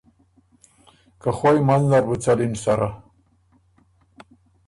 که خوئ منځ نربو څَلِن سره۔